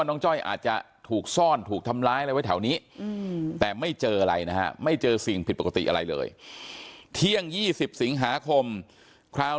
น้องจ้อยนั่งก้มหน้าไม่มีใครรู้ข่าวว่าน้องจ้อยเสียชีวิตไปแล้ว